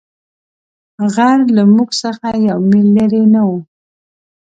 غر له موږ څخه یو مېل لیرې نه وو.